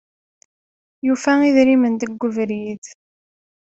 Yufa idrimen deg ubrid.